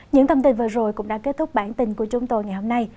những thông tin vừa rồi cũng đã kết thúc bản tin của chúng tôi ngày hôm nay